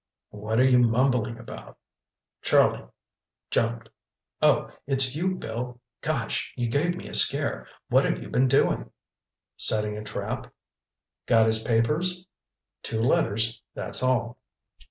"What are you mumbling about?" Charlie jumped. "Oh, it's you, Bill. Gosh, you gave me a scare! What have you been doing?" "Setting a trap. Got his papers?" "Two letters, that's all."